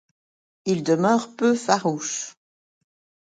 Il demeure peu farouche.